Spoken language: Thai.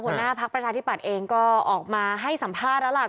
หัวหน้าพร้อมประชาธิัศปรัตนธ์เองก็ออกมาให้สัมภาษณ์แล้ว